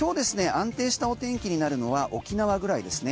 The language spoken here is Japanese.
安定したお天気になるのは沖縄ぐらいですね。